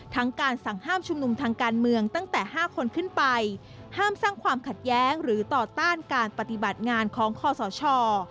ทั้งการสั่งห้ามชุมนุมทางการเมืองตั้งแต่๕คนขึ้นไปห้ามสร้างความขัดแย้งหรือต่อต้านการปฏิบัติงานของคอสช